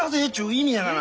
意味やがな。